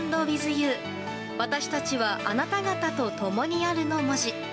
「私たちはあなた方と共にある」の文字。